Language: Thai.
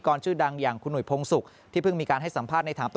ชื่อดังอย่างคุณหุยพงศุกร์ที่เพิ่งมีการให้สัมภาษณ์ในถามตัว